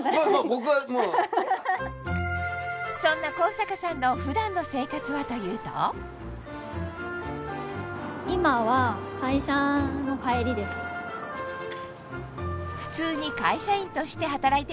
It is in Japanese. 僕はもうそんな高坂さんの普段の生活はというと今は普通に会社員として働いています